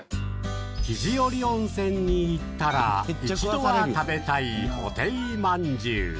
肘折温泉に行ったら一度は食べたいほていまんじゅう。